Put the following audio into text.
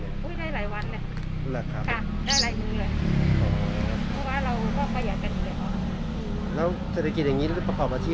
อุ้ยได้หลายวันแหละครับข้าได้หลายวันนึงเลยเพราะว่าเราก็ประหยัดเป็นเดือด